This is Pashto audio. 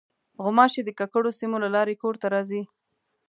غوماشې د ککړو سیمو له لارې کور ته راځي.